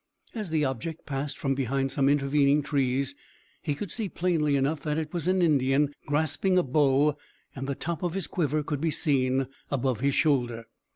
As the object passed from behind some intervening trees he could see plainly enough that it was an Indian grasping a bow, and the top of his quiver could be seen above his shoulder.